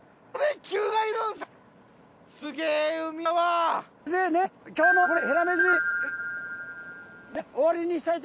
はい。